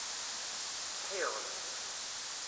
Ttsetḥiɣ.